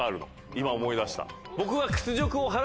今思い出した僕は。